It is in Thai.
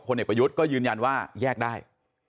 เด็กประยุทธ์ก็ยืนยันว่าแยกได้